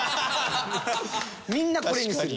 みんなこれにする。